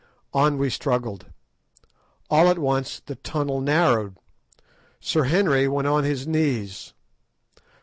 On we struggled. All at once the tunnel narrowed. Sir Henry went on his knees.